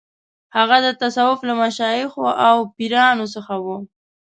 هغه د تصوف له مشایخو او پیرانو څخه و.